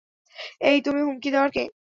এই, তুই হুমকি দেওয়ার কে?